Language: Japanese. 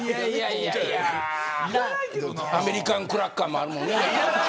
アメリカンクラッカーもあるもんな。